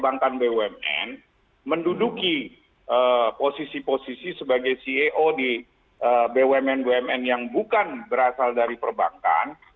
banyak orang orang perbankan bumn menduduki posisi posisi sebagai ceo di bumn bumn yang bukan berasal dari perbankan